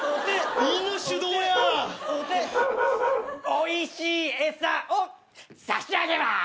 おいしい餌を差し上げまーす！